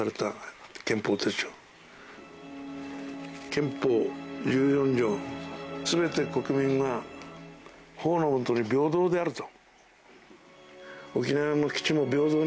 憲法１４条全て国民は法の下に平等であると。